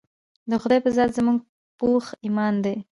د خدائے پۀ ذات زمونږ پوخ ايمان دے